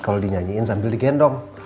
kalo dinyanyiin sambil digendong